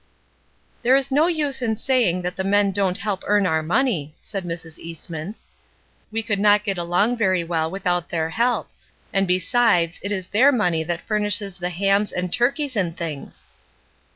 "There is no use in saying that the men don't help earn our money," said Mrs. Eastman. A WOMAN OF HER WORD 357 ''We could not get along very well without their help, and besides, it is their money that furnishes the hams and turkeys and things."